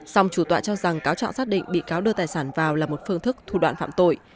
song chủ tọa cho rằng cáo trạng xác định bị cáo đưa tài sản vào là một phương thức thủ đoạn phạm tội